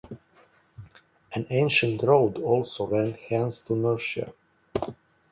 An ancient road also ran hence to Nursia.